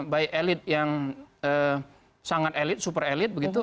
baik elit yang sangat elit super elit begitu